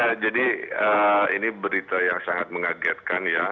ya jadi ini berita yang sangat mengagetkan ya